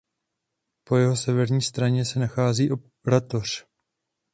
Po jeho severní straně se nachází oratoř.